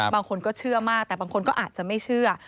บางคนก็เชื่อมากแต่บางคนก็อาจจะไม่เชื่อ